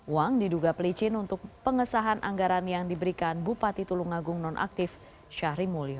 uang diduga pelicin untuk pengesahan anggaran yang diberikan bupati tulungagung nonaktif syahri mulyo